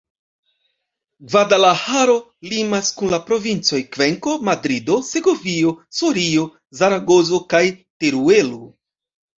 Gvadalaĥaro limas kun la provincoj Kvenko, Madrido, Segovio, Sorio, Zaragozo kaj Teruelo.